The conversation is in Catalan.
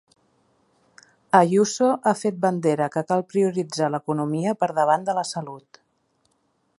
Ayuso ha fet bandera que cal prioritzar l’economia per davant de la salut.